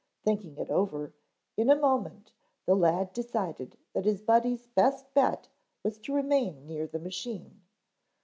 Thinking it over, in a moment the lad decided that his Buddy's best bet was to remain near the machine.